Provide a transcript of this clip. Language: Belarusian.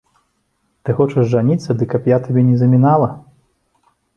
Ты хочаш жаніцца, дык каб я табе не замінала?!